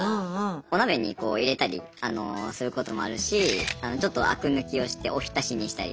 お鍋にこう入れたりすることもあるしちょっとあく抜きをしておひたしにしたりとか。